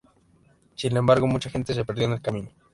Sin embargo, mucha gente se perdió en el camino.